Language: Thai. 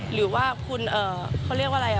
หรือว่าคุณเขาเรียกว่าอะไร